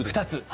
２つ。